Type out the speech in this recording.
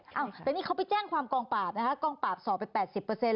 อ้าวแต่นี่เขาไปแจ้งความกองปราบนะคะกองปราบสอบไป๘๐